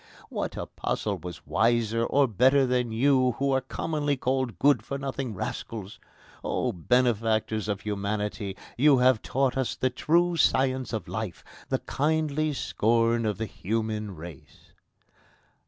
What apostle was wiser or better than you, who are commonly called good for nothing rascals? O benefactors of humanity! You have taught us the true science of life, the kindly scorn of the human race!"